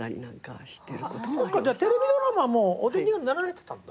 そっかじゃあテレビドラマもお出にはなられてたんだ。